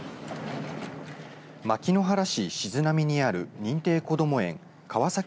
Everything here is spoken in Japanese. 牧之原市静波にある認定こども園川崎